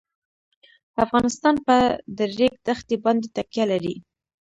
افغانستان په د ریګ دښتې باندې تکیه لري.